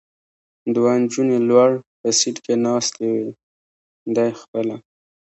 دوه نجونې لوړ په سېټ کې ناستې وې، دی خپله.